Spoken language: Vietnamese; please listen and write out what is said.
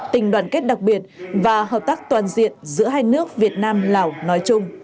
tình đoàn kết đặc biệt và hợp tác toàn diện giữa hai nước việt nam lào nói chung